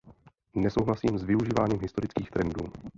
Nesouhlasím s využíváním historických trendů.